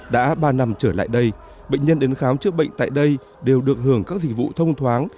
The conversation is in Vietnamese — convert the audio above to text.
đã ba năm trở lại đây bệnh nhân đến khám chữa bệnh tại đây đều được hưởng các dịch vụ thông thoáng